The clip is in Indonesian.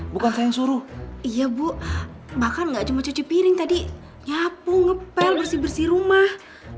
bukan sayang suruh iya bu bakal nggak cuma cuci piring tadi nyapu ngepel bersih bersih rumah